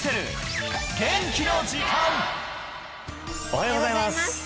おはようございます